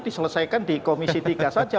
diselesaikan di komisi tiga saja